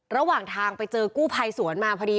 ระหว่างทางไปเจอกู้ภัยสวนมาพอดี